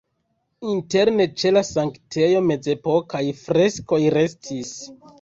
Interne ĉe la sanktejo mezepokaj freskoj restis.